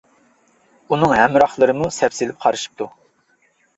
ئۇنىڭ ھەمراھلىرىمۇ سەپسېلىپ قارىشىپتۇ.